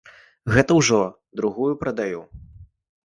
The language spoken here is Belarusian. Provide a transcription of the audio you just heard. Гэта ўжо другую прадаю.